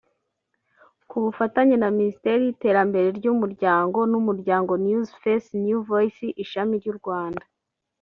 ku bufatanye na Minisiteri y’Iteramberere ry’umuryango n’umuryango News Face New Voices ishami ry’u Rwanda